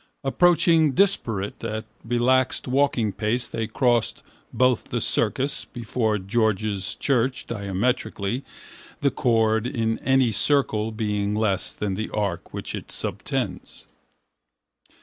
Approaching, disparate, at relaxed walking pace they crossed both the circus before George's church diametrically, the chord in any circle being less than the arc which it subtends.